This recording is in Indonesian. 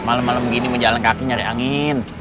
malam malam begini menjalan kaki cari angin